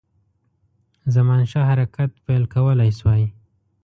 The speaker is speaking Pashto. زمانشاه حرکت پیل کولای شوای.